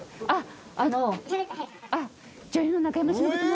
あっあの。